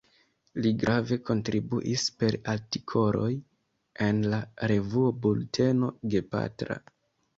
Li grave kontribuis per artikoloj en la revuo Bulteno Gepatra.